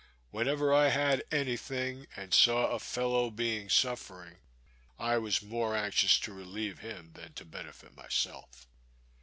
Whenever I had any thing, and saw a fellow being suffering, I was more anxious to relieve him than to benefit myself.